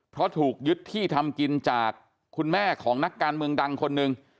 เพราะถูกยึดที่ทำกินจากคุณแม่ของนักการเมืองดังคนหนึ่ง